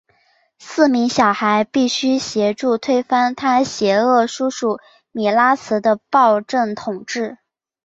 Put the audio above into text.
四名小孩必须得协助推翻他邪恶叔叔米拉兹的暴政统治。